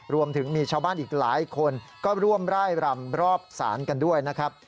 รวมถึงมีชาวบ้านอีกหลายคนก็ร่วมร่ายรำรอบศาลกันด้วยนะครับ